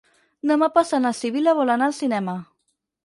Demà passat na Sibil·la vol anar al cinema.